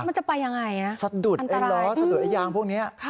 มันจะไปยังไงนะสะดุดไอ้ล้อสะดุดไอ้ยางพวกนี้